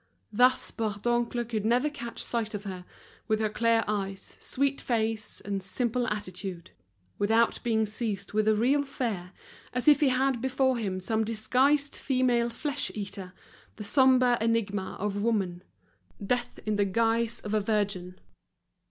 Thus Bourdoncle could never catch sight of her, with her clear eyes, sweet face, and simple attitude, without being seized with a real fear, as if he had before him some disguised female flesh eater, the sombre enigma of woman, Death in the guise of a virgin.